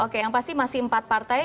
oke yang pasti masih empat partai